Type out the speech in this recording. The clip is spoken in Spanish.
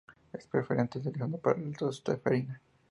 Es preferentemente utilizado para la tos ferina.